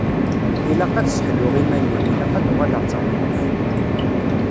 Ilaq ad sseḥluɣ iman-iw, ilaq ad uɣaleɣ d tameṭṭut.